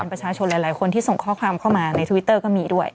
ประชาชนหลายคนที่ส่งข้อความเข้ามาในทวิตเตอร์ก็มีด้วย